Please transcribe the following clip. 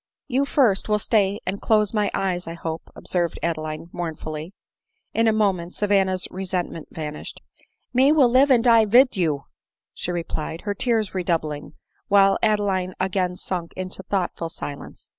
" You first will stay and close my eyes, I hope !" observed Adeline mournfully. In a moment Savanna's resentment vanished. " Me will live and die vid you," she replied, her tears redoub ling, while Adeline again sunk' into thoughtful silence.